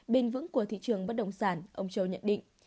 bền vững của thị trường bất động sản ông châu nhận định